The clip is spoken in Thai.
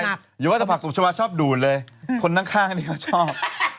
อย่าว่าแต่ผักตบชาวาชอบดูดเลยคนข้างนี่เขาชอบ